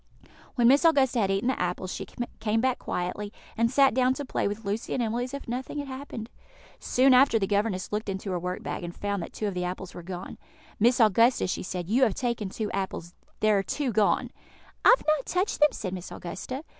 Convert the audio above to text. When Miss Augusta had eaten the apples, she came back quietly, and sat down to play with Lucy and Emily as if nothing had happened. Soon after the governess looked into her work bag, and found that two of the apples were gone. "Miss Augusta," she said, "you have taken two apples: there are two gone." "I have not touched them," said Miss Augusta.